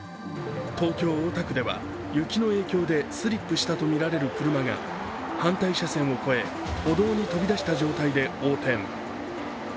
東京・大田区では雪の影響でスリップしたとみられる車が反対車線を越え、歩道に飛び出した状態で横転。